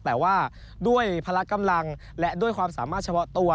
แต่ว่าด้วยพละกำลังและด้วยความสามารถเฉพาะตัว